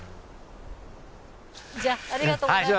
じゃあありがとうございました。